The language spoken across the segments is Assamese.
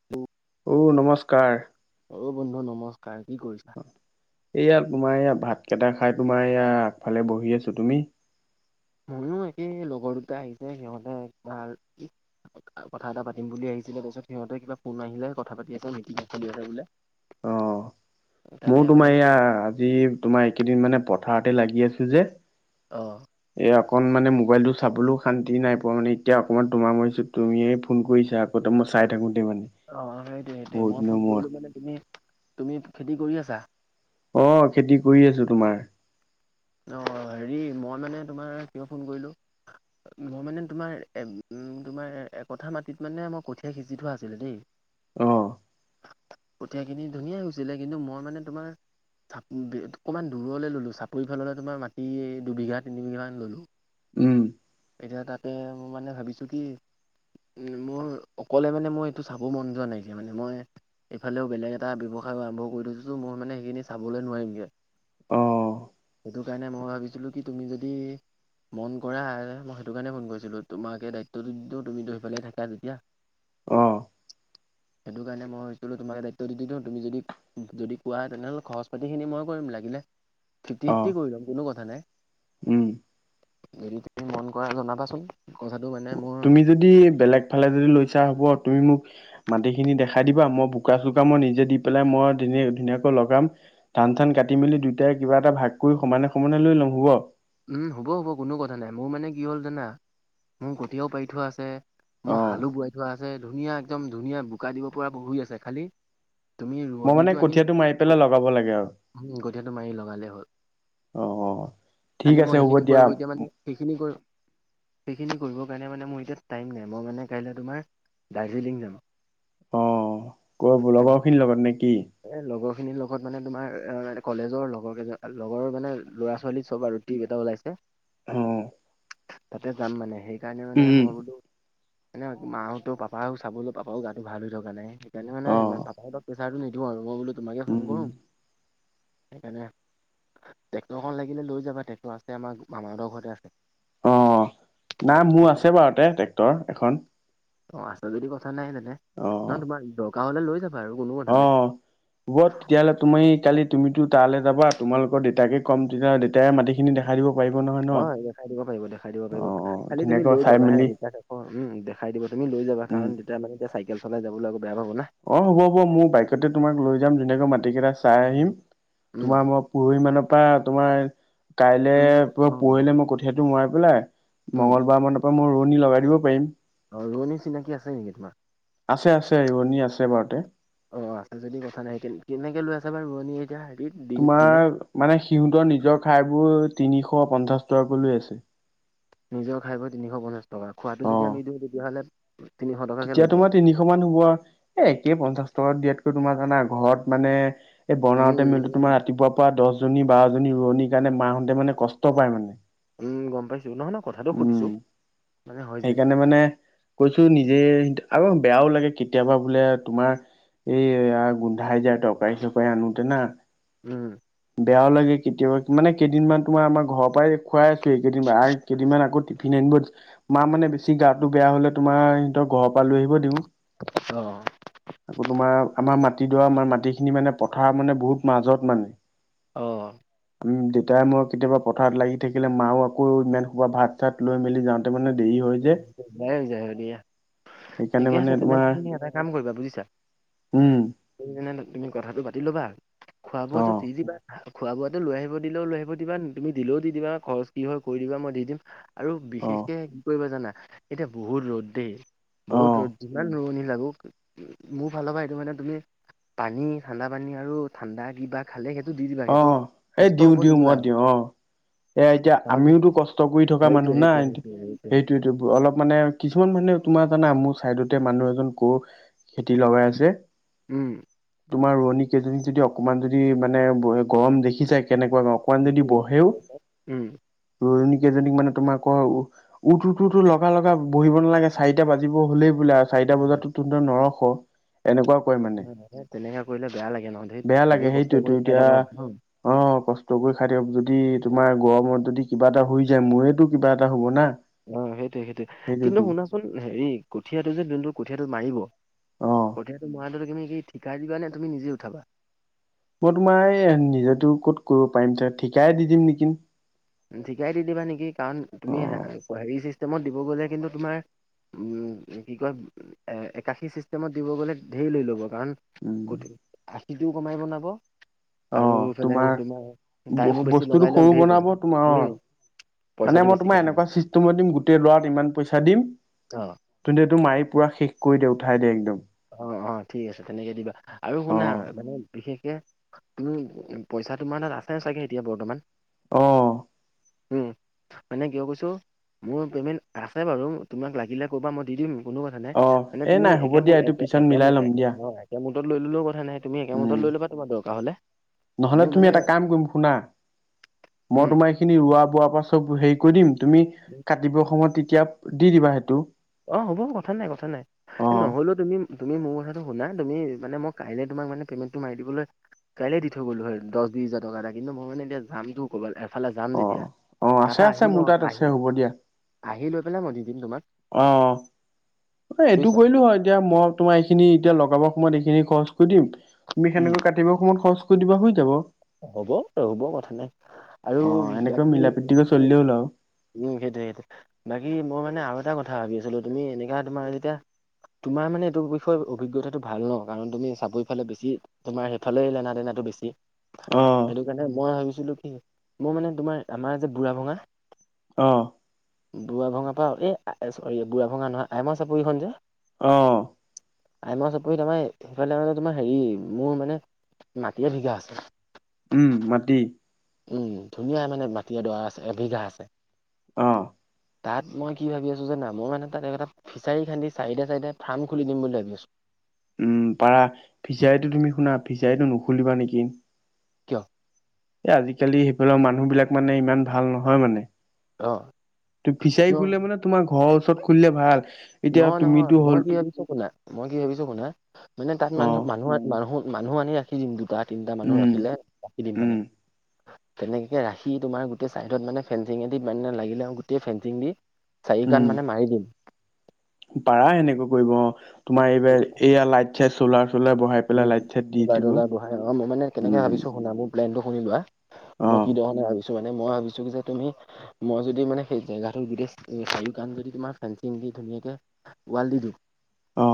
[unintelligible] অ, নমস্কাৰ। অ, বন্ধু নমস্কাৰ কি কৰিছা? এয়া তোমাৰ ইয়াত ভাত কেইটা খাই তোমাৰ এয়া আগফালে বহি আছো তুমি? ময়ো একেই লগৰ দুটা আহিছে সিহঁতে ভাল কথা এটা পাতিম বুলি আহিছিলে তাৰছত সিঁহতে কিবা ফোন আহিলে কথা পাতি আছে মিটিং চলি আছে বোলে। [inaudible] মোৰ তাকে মই তোমাৰ এয়া, আজি তোমাৰ এইকেইদিন মানে পথাৰতে লাগি আছো যে। অ', এই অকণ মানে মোবাইলটো চাবলৈও শান্তি নাই পোৱা, মানে এতিয়া অকণমান তোমাৰ মৰিছো তুমিয়ে ফোন কৰিছা। কত মই চাই থাকোতে মানে। অ, সেইটোৱে-সেইটোৱে বহুত মই দিনৰ ফোন মূৰত কৰিলো মানে তুমি-তুমি খেতি কৰি আছা? অ, খেতি কৰি আছো তোমাৰ। অ, হেৰি মই মানে তোমাৰ কিবা ফোন কৰিলো। মই মানে তোমাৰ এ উম, তোমাৰ একথা মাটিত মানে মই কঠীয়া সিজি থোৱা আছিলে দেই। অ', কঠীয়াখিনি ধুনীয়া হৈছিলে, কিন্তু মই মানে তোমাৰ চাপ অকণমান দূৰলৈ ললো চাপ পৰিফাললৈ তোমাৰ মাটি দুবিঘা, তিনি বিঘামান ললো। উম, এতিয়া তাতে মই মানে ভাবিছো কি উম, মোৰ অকলে মানে মই এইটো চাব মন যোৱা নাই যে মানে মই এইফালেও বেলেগ এটা ব্যৱসায় আৰম্ভ কৰি থৈছো, মানে সেইখিন চাবলৈ নোৱাৰিমগৈ। অ সেইটো কাৰণে মই ভাবিছিলো কি তুমি যদি মন কৰা মই সেইটো কাৰণে ফোন কৰিছিলো, তোমাকে দায়িত্বটো দি দিও তুমি ধৈ পেলাই থাকা যেতিয়া। অ', সেইটো কাৰণে মই ভাবিছিলো তোমাকে দায়িত্বটো দি দিও তুমি যদি যদি কোৱা হয় তেনেহলে খৰচ পাতিখিনি মই কৰিম লাগিলে। অ ফিফটি-ফিফটি কৰি ল'ম, কোনো কথা নাই। উম যদি তুমি মন কৰা জনাবাচোন কথাটো মানে মোৰ তুমি যদি বেলেগ ফালে যদি লৈছা হ'ব তুমি মোক মাটিখিনি দেখাই দিবা মই বোকা-চোকা মই নিজে দি পেলাই মই ধ ধুনীয়াকৈ লগাম। ধটান চান কাটি মি দুইটাই কিবা এটা ভাগ কৰি সমানে - সমানে লৈ ল'ম হ'ব। উম, হ'ব - হ'ব কোনো কথা নাই মোৰ মানে কি হ'ল জানা মোৰ কতিয়াও পাৰি থোৱা আছে। অ মই হালু বোৱাই থোৱা আছে ধুনীয়া একদম ধুনীয়া বোকা দিব পৰাহুই আছে খালি তুমি মই মানে ৰোৱনীটো আনি কঠীয়াটো মাৰি পেলাই লগাব লাগে আৰু উম, কথীয়াটো মাৰি লগালেই হ'ল। অ', অ', ঠিক খালি মই আছে হ'ব সেইখিনি দিয়া। কৰিব এতিয়া মানে সেইখিনি কৰি সেইখিনি কৰিবৰ কাৰণে মানে মোৰ এতিয়া টাইম নাই, মই মানে কাইলে তোমাৰ দাৰ্জিলিং যাম। অ, ক লগৰ খিনি লগত নে কি? এ লগৰ খিনিৰ লগত মানে তোমাৰ এ কলেজৰ লগৰ কেইজন লগৰ মানে ল'ৰা-ছোৱালী চব আৰু এটা ওলাইছে। অ', তাতে যাম মানে সেইকাৰণে মানে উম মই বোলো মানে মা হতেও পাপাও চাবলৈ পাপাও গাটো ভাল হৈ থকা নাই, সেইকাৰণে অ মানে ইমান পাপাৰ বা কথাটো নিদিও আৰু মই বোলো তোমাকে ফোন উম কৰো। সেইকাৰণে ট্ৰেক্টৰখন লাগিলে লৈ যাবা টেক আছে আমাৰ মামাহঁতৰ ঘৰতে আছে। অ', অ', নাই মোৰ আছে বাৰু তে ট্ৰেক্টৰ এখন। অ, আছে যদি কথা নাই তেনে। অ', নহয় তোমাৰ দৰকাৰ হ'লে লৈ যাব। অ', হ'ব, তেতিয়াহ'লে তুমি কালি তুমি তালে যাবা তোমালোকৰ দেউতাকে ক'ম তেতিয়া দেতাই মাটিখিনি দেখা দেখাই দিব পাৰিব নহয়। ন অ, দেখাই দিব পাৰিব-দেখাই দিব অ পাৰিব, অ খালি তুমি ধুনীয়াকৈ লৈ চাই যাবা হে মেলি অ, উম দেখাই দিবা, তুমি লৈ যাবা উম কাৰণ দেতাই মানে এতিয়া চাইকেল চলাই যাবলৈ আকৌ বেয়া পাব না। অ হ'ব হ'ব মোৰ বাইকতে তোমাক লৈ যাম ধুনীয়াকৈ মাটি কেইটা চাই উম আহিম তোমাৰ মই পৰহি মানৰ পৰা তোমাৰ কাইলে উম অ পুৰা পৰহিলে মই কঠীয়াটো মৰাই পেলাই উম মঙ্গলবাৰমানৰ পৰা মই ৰোৱনী লগাই দিব পাৰিম। অ ৰোৱনী চিনাকি আছে নেকি তোমাৰ। আছে আছে ৰোৱনী আছে বাৰুতে। অ আছে যদি কথা নাই কেনেকে লৈ আছে বা ৰোৱনী এতিয়া হেৰিত। তোমাৰ মানে সিহঁতৰ নিজৰ ঠাইবোৰ তিনিশ পঞ্চাশ টকাকৈ লৈ আছে। নিজৰ খাই বৈ তিনিশ পঞ্চাছ টকা খোৱাটো অ যদি আমি দিওঁ তেতিয়াহ'লে তিনিশ টকাকে তেতিয়া ল'ব। তোমাৰ তিনিশ মান হ'ব আৰু এ একে পঞ্চাশ টকাত দিয়াতকৈ তোমাৰ জানা ঘৰত মানে এই বনাওঁতে মিলো উম তোমাৰ ৰাতিপুৱা পৰা দহজনী বাৰজনী ৰোৱনিৰ কাৰণে মাহঁতে মানে কষ্ট পায় মানে। উম, গম পাইছোঁ নহয় নহয় কথাটো সুধিছোঁ মানে হৈ যায়। মানে মানে কৈছো নিজে আৰু বেয়াও লাগে কেতিয়াবা বোলে তোমাৰ এই আ গোন্ধাই যায় তৰকাৰী চৰকাৰী আনোতে না। উম। বেয়াও লাগে কেতিয়াবা মানে কেইদিনমান তোমাৰ আমাৰ ঘৰৰ পৰাই খুৱাই আছো এই কেইদিন। কেইদিনমান আকৌ টিফিন আনিব মা মানে বেছি গাটো বেয়া হ'লে তোমাৰ সিহঁতক ঘৰৰ পৰা লৈ আহিব দিওঁ। অ, আকৌ তোমাৰ আমাৰ মাটিডৰা মানে মাটিখিনি মানে পথাৰ মানে বহুত মাজত মানে। অঁ ম দেউতাই মই কেতিয়াবা পথাৰত লাগি থাকিলে মাও আকৌ ইমান খোবা ভাত চাত। লৈ মেলি যাওঁতে মানে দেৰি হয় যে [unintelligible] দিয়া। সেইকাৰণে ঠিকে আছে, মানে তেন্তে তোমাৰ তুমি এটা কাম কৰিবা বুজিছা। উম তুমি [unintelligible] তুমি কথাটো পাতি ল'বা, খোৱা অ বোৱাটো দি দিবা। খোৱা বোৱাটো লৈ আহিব দিলেও লৈ আহিব দিবা তুমি দিলেও দি দিবা খৰচ কি হয় কৰি দিবা মই দি দিম। আৰু অ বিশেষকে কি কৰিবা জানা এতিয়া বহুত ৰ'দ দেই। অ বহুত ৰ'দ যিমান ৰোৱনী লাগক মোৰ ফালৰ পৰা সেইটো মানে তুমি পানী ঠাণ্ডা পানী আৰু ঠাণ্ডা কিবা। খালে সেইটো দি দিবা অ সেইটো এই কষ্ট দিওঁ হ'ব দিওঁ নিদিবা মই দিওঁ আহ। এ এতিয়া কাৰণ আমিওতো কষ্ট কৰি থকা সেইটোৱে মানুহ সেইটোৱে নাই। সেইটোৱে সেইটোৱে সেইটোয়ে তো অলপ মানে কিছমান মানে কি। তোমা জানা মোৰ ছাইডতে মানুহ এজন গৰুক খেতি লগাই আছে। উম, তোমাৰ ৰোৱনী কেইজনীক যদি অকমান যদি মানে গৰম দেখি যায় কেনেকুৱা গ অকমান যদি উম বহেও উম ৰোৱনি কেইজনীক মানে তোমাৰ আকৌ উঠ উঠ তুতটো লগা লগা বহিব নালাগে চাৰিটা বাজিব হলেই বোলে আৰু চাৰিটা উম, বজাতো নৰখ এনেকুৱা কয় মানে। তেনেকা কৰিলে বেয়া লাগে নহ ধেই বেয়া লাগে চবেই কষ্ট সেইটোৱেতো কৰি খাই এতিয়া থকা মানুহ। অ কষ্ট কৰি খাই‌ দিয়ক যদি তোমাৰ গৰমত যদি কিবা এটা হৈ যায় মোয়তো কিবা এটা হব না, অ সেইটোৱে সেইটোৱে কিন্তু সেইটোতো শুনাচোন হেৰি কঠীয়াটো যে দিনটোোৰ কঠীয়াটো মাৰিব। অ কঠিয়টো মৰাটো তুমি কি ঠিকাই দিবা নে তুমি নিজে উঠাবা। মই তোমাৰ এই নিজেতো ক'ত কৰিব পাৰিম তে ঠিকাই দি দিম নেকি। ঠিকাই দি দিবা নেকি কাৰণ অ তুমি হেৰি চিষ্টেমত দিব গ'লে কিন্তু তোমাৰ। কি কয় একাশী চিষ্টেমত দিব গ'লে ঢেৰ লৈ ল'ব কাৰণ। উম আশীটোও কমাই বনাব। আৰুএফালে তোমাৰ টাইমো বেছি বস্তুটো লগাই লে সৰু ধেৰ বনাব পৰে। তোমাৰ উম অ মানে পইচাটো মই বেছিকে তোমাৰ ল'ব এনেুৱা চিষ্টমত দিম গোটেই ল'ৰাত ইমান পইচা দিম। অ তুন্তি এইটো মাৰি পুৰা শেষ কৰি দে উঠাই দে একদম। অ অ ঠিক আছে তেনেকে দিবা আৰু শুনা মানে বিশেষকে তুমি পইচা তোমাৰ তাত আছে ন চাগে এতিয়া বৰ্তমান। অ। উম। মানে কিয় কৈছোঁ মোৰ পে'মেণ্ট আছে বাৰু তোমাক লাগিলে ক'বা মই দি দিম। কোনো কথা নাই অ মানে এ তুমি নাই হ'ব একে মো দিয়া এইটো এক পিছত এক মো মিলাই ল'ম একে দিয়া ম অ একে মোৰতো লৈ ললেও কথা নাই তুমি একে মোৰতো উম লৈ লবা তোমাৰ দৰকাৰ হলে। নহলে মোৰ তুমি মানে এটা কাম কৰিম শুনা মই উম তোমাৰ এইখিনি ৰোৱা বোৱাৰ পৰা চব হেৰি কৰি দিম। তুমি কাটিবৰ সময়ত তেতিয়া দি দিবা সেইটো অ হ'ব কথা নাই কথা নাই অ নহলেওত তুমি তুমি মোৰ কথাটো শুনা তুমি মে মই কাইলে তোমাক মানে পেমেণ্টটো মাৰি দিবলৈ কাইলৈ দি থৈ গ'লোঁ হয় দহ বিশ হাজাৰ টকা এটা কিন্তু মই মানে এতিয়া যামটোও ক'বাল এফালে যাম অ যেতিয়া অ তা আছে পা আছে আহি মোৰ ল তাত আছে আহি হ'ব দিয়া আহি লৈ পেলাই মই দি দিম তোমাক। অ এইটো বুজিছা। কৰিলো হয় এতিয়া ম- তোমাৰ এইখিনি এতিয়া লগাব সময় এইখিন খৰচ কৰি দিম তুমি উম সেনেকৈ কাট- কাতিব সময়ত খৰচ কৰি দিবা হৈ যাব। হ'ব হ'ব কথা নাই আৰু অ এনেকৈ বাকী মিলা প্ৰীতিকৈ কি চলিলে হ'ল আৰু উম সেইটোয়ে সেই বাকী মই মানে আৰু এটা কথা ভাবি আছিলো তুমি এনেকা তোমাৰ যেতিয়া তোমাৰ মানে এইটো বিষয়ে অভিজ্ঞতাটো ভাল ন কাৰণ তুমি চাবৰিফালে বেছি তোমাৰ সেইফালে লেনা দেনাটো বেছি। সেইটো কাৰণে মই ভাবিছিলো কি মো মানে তোমাৰ আমাৰ যে বুঢ়া ভঙা অ। বুঢ়া ভঙা পা এই চৰি বুঢ়া ভঙা নহয় আইমৰ চাপৰিখন যে। অ। আইমাৰ চাপহি তমাই সেইফালে মানে তোমাৰ হেৰি মোৰ মানে মাটি এবিঘা আছে। উম মাটি। উম ধুনীয়া মানে মাটি এডৰা আছে এবিঘা আছে। অ। তাত মই কি ভাবি আছো জানা, মই মানে তাত এটা ফিচাৰী খান্দি চাইডে চাইডে ফাৰ্ম খুলি দিম বুলি ভাবি আছো। উম পাৰা ফিচাৰীটো তুমি শুনা ফিচাৰীটো নুখুলিবা নেকি। কিয়? এ আজিকালি সেইফালৰ মানুহ বিলাক মানে ইমান ভাল নহয় মানে। অ। ফিচাৰী ন খুলে মানে তোমাৰ ঘৰৰ ওচৰত খুলিলে ভাল। এতিয়া নহয় নহয় তুমিতো মই হ'ল কি ভাবিছো শুনা মই কি ভাবিছো শুনা। মানে তাত অ মানুহ মানুহ মানুহ মানুহ আনি ৰাখি দিম দুটা তিনটা মানুহ উম ৰাখিলে। ৰাখি দিম উম মানে। তেনেকে ৰাখি তোমাৰ গোটেই চাইডত মানে ফেঞ্চিঙে দি মানে লাগিলে আও গোটেই ফেঞ্চিং দি চাৰি উম কান মানে মাৰি দিম। পাৰা সেনেকুৱ কৰিব অ তোমাৰ এইবাৰ এয়া লাইট চাইট চলাৰ চলাৰ বহাই পেলাই উম লাইট চাইট দি চলাৰ দিব তলাৰ বহাই অ মই মানে কেনেকে উম ভাবিছো শুনা মোৰ প্লেনটো শুনি লোৱা। অ মই কি ধৰনে ভাবিছো মানে মই ভাবিছো যে তুমি মই যদি মানে সেই জেগাটো গোটেই চাৰিও কান যদি তোমাৰ ফেঞ্চিং দি ধুনীয়াকে ৱাল দি দিও, অ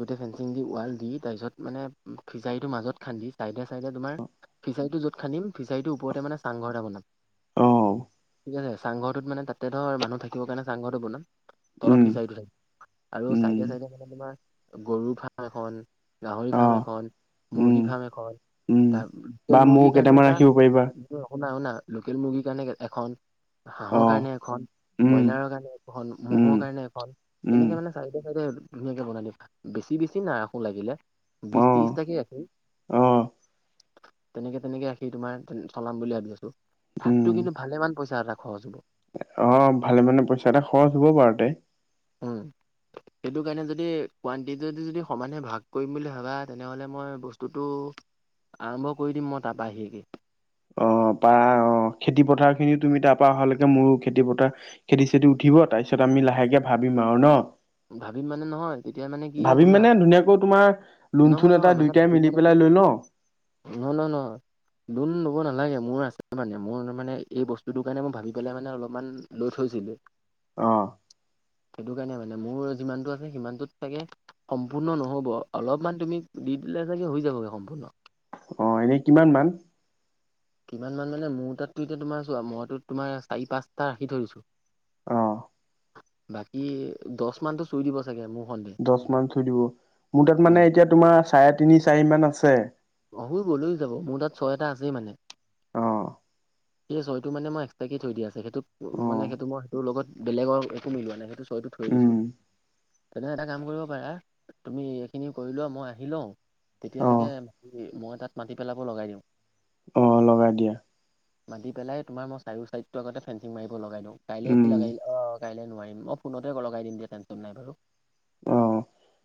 গোতে ফেঞ্চিং দি ৱাল দি তাইছত মানে ফিচাৰিটো মাজত খান্দি চাইডে চাইডে তোমাৰ ফিচাৰীটো যত খানি ফিছৰিটোৰ ওপৰতে চাংঘৰ এটা বনাম অ ঠিক আছো চাংঘৰটোত মানে তাতে ধৰ মানুহ থাকিব কাৰণে চাংঘৰটো বনাম। উম তলত ফিছৰিটো থাকিব, আৰু উম চাইডে চাইডে মানে তোমাৰ গৰুৰ ফ্ৰাম এখন, গাহৰি অ ফাৰ্ম এখন, উম মুৰ্গী ফাৰ্ম এখন, উম তাৰ বা লোকেল মৌ মুৰ্গীৰ কাৰণে কেইটামান এটা ৰাখিব পাৰিবা শুনা শুনা লোকেল মুৰ্গীৰ কাৰণে এখন, অ হাঁহৰ কাৰণে এখন উম ব্ৰইলাৰৰ কাৰণে এখন উম, মহ'ৰ কাৰণে এখন, উম, তেনেকে মানে চাইডে চাইডে ধুনীয়াকে বনাই দিম, বেছি বেছি নাৰাখো লাগিলে। বিছ ত্ৰিছ অ', তাকে ৰাখিম। অ', তেনেকে তেনেকে ৰাখি তোমাৰ চলাম বুলি ভাবি আছোঁ। ভাতটো উম। কিন্তু ভালেমান পইচা এটা খৰচ হ'ব। অ', ভালে মানে পইচা এটা খৰচ হ'ব পাৰে দে। উম, সেইটো কাৰণে যদি কোৱানটিটি যদি যদি সমানে ভাগ কৰিম বুলি ভাবা তেনেহ'লে মই বস্তুটো আৰম্ভ কৰি দিম মই তাৰ বাহিৰেদি। অ', পাৰা অ, অ, খেতি পথাৰ খিনিও তুমি তাৰপা অহালৈকে মোৰো খেতি পথাৰ খেতি চেতি উঠিব তাৰপিছত আমি লাহেকে ভাবিম আৰু ন'। ভাবিম মানে নহয় তেতিয়া মানে কি ভাবিম শুনা মানে ধুনীয়াকৈ তোমাৰ লোন নহয় থোন নহয় এটা মানে দুইটাই ভাবিম মিলি মানে পেলাই লৈ লওঁ। [unintelligible] লোন ল'ব নালাগে মোৰ আছে মানে মোৰ মানে এই বস্তুটোৰ কাৰণে মই ভাবি পেলাই মানে অলপমান লৈ থৈছিলোঁ। অ', সেইটো কাৰণে মানে মোৰ যিমানটো আছে সিমানটোত চাগে, সম্পূৰ্ণ নহ'ব। অলপমান তুমি, দি দিলে চাগৈ হৈ যাবগৈ সম্পূৰ্ণ। অ', এনে কিমান মান? কিমান মান মানে মোৰ তাততো এতিয়া তোমাৰ মইতো তোমাৰ চাৰি পাঁচটা ৰাখি ধৰিছো। অ', বাকী দশ মানটো চুই দিব চাগে মোৰ সন্দেহ। দশ মান চুই দিব, মোৰ তাত উম মানে এতিয়া তোমাৰ চাৰে তিনি চাৰি মান আছে। অ', হৈ গ'ল যাব মোৰ তাত ছয় এটা আছেই মানে। অ', সেই ছয়টো মানে মই একসট্ৰাকে থৈ দিয়া আছে সেটোক, মানে অ', সেইটো মই সেইটো লগত বেলেগৰ একো মিলোৱা নাই সেইটো চয়টো থৈ দিছো। উম, তেনে এটা কাম কৰিব পাৰা, তুমি এইখিনি কৰিলোৱা মই আহি লও। তেতিয়ালৈকে, অ', মই তাত মাটি পেলাব লগাই দিম। অ', লগাই দিয়া। মাটি পেলাই তোমাৰ মই চাৰিও চাইডটো আগতে ফেঞ্চিং মাৰিব লগাই দিওঁ, কাইলে উম, লগাই, অ, কাইলে নোৱাৰিম, মই পোন্ধৰকে তৰিখে লগাই দিম দিয় টেনশ্যন নাই বাৰু। অ'।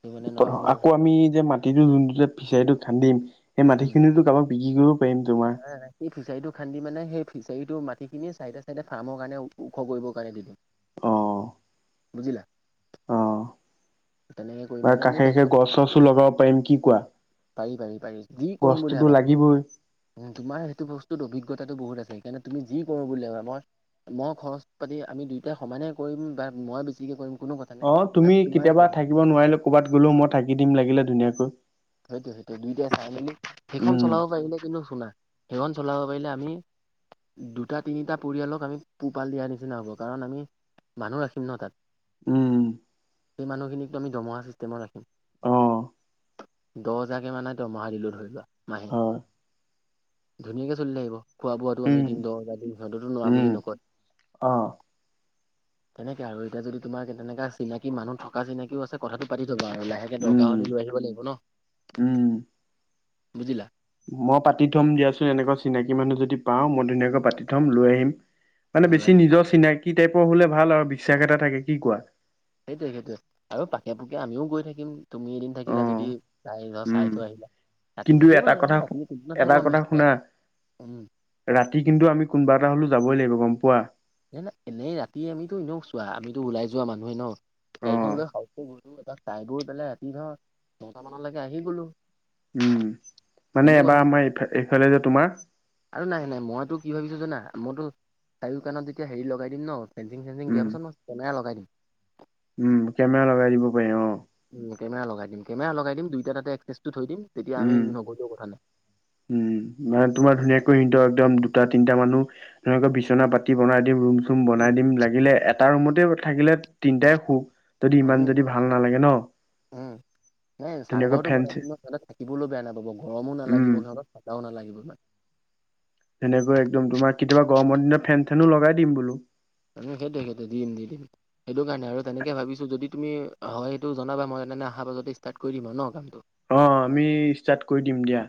ত মানে নহয় মোৰ আকৌ আমি যে মাটিটো যোনটো ফিচাৰিটো খান্দিম, সেই মাটি উম খিনিতো কাৰোবাক বিক্ৰী কৰি [unintelligible] সেই ফিচাৰীটো খান্দি মানে সেই ফিচাৰীটোৰ মাটিখিনি ছাইডে চাইডে ফাৰ্মৰ কাৰণে ওখ কৰিব কাৰণে দি দিম। অ', বুজিলা? অ তেনেকে কৰি বা মানে মোৰ কাষে কাষে টেনশ্যন গছ নাই চছো লগাব পাৰিম, কি কোৱা? পাৰি পাৰি পাৰি যি কৰিম বুলি গছটোতো ভাবা তুমি লাগিবই উম, তোমাৰ সেইটো বস্তুত অভিজ্ঞতাটো বহুত আছে সেইকাৰণে তুমি কৰোঁ বুলি ভাবা মই মই খৰচ পাতি আমি দুয়োটাই সমানে কৰিম বা মই বেছিকে কৰিম কোনো কথ অ', তুমি কেতিয়াবা থাকিব নোৱাৰিলো ক'বাত গ'লেও মই থাকি দিম লাগিলে ধুনীয়াকৈ। সেইটোৱে সেইটোৱে দুইটাই চাই মেলি, সেইখন উম চলাব পাৰিলে কিন্তু [unintelligible] সেইখন চলাব পাৰিলে আমি দুটা তিনিটা পৰিয়ালক আমি পোহপাল দিয়াৰ নিচিনা হ'ব, কাৰণ আমি মানুহ ৰাখিম ন' তাত, উম সেই মানুহখিনিকো আমি দৰমহা চিষ্টেমত ৰাখিম। অ দহ হেজাৰ কে মানে দৰমহা দিলোঁ ধৰি লোৱা, মা হয়, ধুনীয়াকৈ চলি থাকিব, খোৱা বোৱাটো উম আমি দিন দ [unintelligible] সিহঁতেতো নোৱাৰা উম বুলি নকয়। অ। [inaudible] তেনেকে আৰু এতিয়া যদি তোমাৰ কেনেকা চিনাকি মানুহ থকা চিনাকিও আছে কথাটো পাতি থ'ব আৰু লাহেকে দৰ। উম গাহতি লৈ আহিব লাগিব ন। উম। বুজিলা? মই পাতি থ'ম দিয়াচোন এনেকুৱা চিনাকি মানুহ যদি পাওঁ মই ধুনীয়াকৈ পাতি থ'ম লৈ আহিম। মানে লৈ বেছি আহিম নিজৰ চিনাকি টাইপৰ হলে ভাল আৰু বিশ্বাস এটা থাকে কি কোৱা? সেইটোৱে সেইটোয়ে পাকে পোকে আমিও গৈ থাকিম তুমি এদিন থাকি কিলা অ যদি চাই ধ চাই উম। থৈ আহিলা ৰাতি কিন্তু থাকিব এটা কথা নালাগে এনেওটো [unintelligible] এটা নাথাকো আমি। কথা শুনা উম। ৰাতি কিন্তু আমি কোনোবা এটা হ'লো যাবই লাগিব গম পোৱা। না, না এনেই ৰাতি আমিতো এনেও চোৱা আমিতো ওলাই যোৱা মানুহে ন গাড়ীখন অ', লৈ শাওত কে গলো এপাক চাই গৈ পেলাই ৰাতি ধৰা নটা মানলৈকে আহি গলো। উম, মানে কোনো কথা এবাৰ নাই আমাৰ এইফ এইফালে যে তোমাৰ আৰু নাই নাই মইতো কি ভাবিছোঁ জানা মইতো চাৰিও কাণত যেতিয়া হেৰি লগাই দিম ন ফেঞ্চিং চেঞ্চিং উম দিয়াৰ পাছত মই কেমেৰা লগাই দিম। উম, কেমেৰা লগাই দিব পাৰি অ। উম, কেমেৰা লগাই দিম কেমেৰা লগাই দিম দুইটা তাতে এক্সেছটো থৈ দিম তেতিয়া উম আমি নগলেও কথা নাই। উম মানে তোমাৰ ধুনীয়াকৈ সি [unintelligible] একদম দুটা তিনিটা মানুহ ধক বিচননা পাতি বনাই দিম ৰুম ৰুম উম, বনাই দিম লাগিলে এটা ৰুমতে থাকিলে তিনিটাই শু। যদি ইমান যদি ভাল নালাগে ন? উম, নাই ধুনীয়াকৈ চাংঘৰটো ফেন বনাই চে দিম ন সিহঁতে থাকিবলৈও বেয়া নাপাব গৰম উম নালাগিব সিহঁত ঠাণ্ডাও নালাগিব সিমান। ধুনীয়াকৈ একদম তোমাৰ কেতিয়াবা গৰমৰ দিনত ফেন চেনো লগাই দিম বোলো। আমি সেইটো সেইটোখেতে দিম নিদিম। সেইটো কাৰণে আৰু তেনেকে ভাবিছোঁ যদি তুমি হয় সেইটো জনাবা মই তেনে অহা পাছতে ষ্টাৰ্ট কৰি দিম আৰু ন কামটো। অ, আমি ষ্টাৰ্ট কৰি দিম দিয়া।